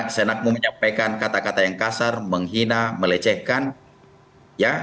senakmu menyampaikan kata kata yang kasar menghina melecehkan ya